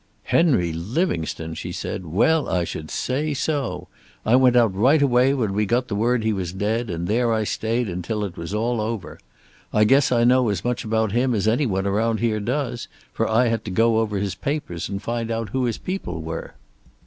"Henry Livingstone!" she said. "Well, I should say so. I went out right away when we got the word he was dead, and there I stayed until it was all over. I guess I know as much about him as any one around here does, for I had to go over his papers to find out who his people were."